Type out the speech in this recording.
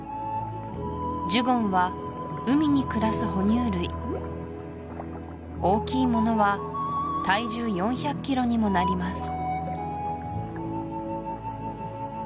ジュゴンは海に暮らす哺乳類大きいものは体重４００ｋｇにもなります